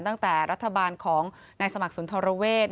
ตั้งแต่รัฐบาลของนายสมัครสุนทรเวศ